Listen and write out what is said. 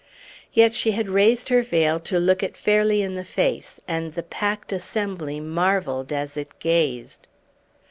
Yet she had raised her veil to look it fairly in the face, and the packed assembly marvelled as it gazed.